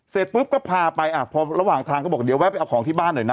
เสร็จปุ๊บก็พาไปอ่ะพอระหว่างทางก็บอกเดี๋ยวแวะไปเอาของที่บ้านหน่อยนะ